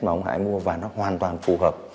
mà ông hải mua và nó hoàn toàn phù hợp